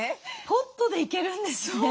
ポットでいけるんですね。